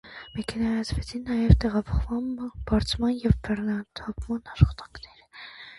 Մեքենայացվեցին նաև տեղափոխման, բարձման և բեռնաթափման աշխատանքները։